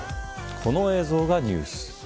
この映像がニュース。